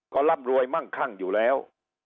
ก็ร่ำรวยมั่งคั่งอยู่แล้ว